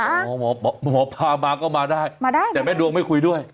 หมอหมอพามาก็มาได้มาได้แต่แม่ดวงไม่คุยด้วย